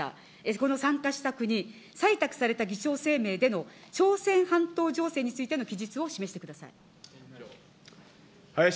この参加した国、採択された議長声明での、朝鮮半島情勢についての記述を示してください。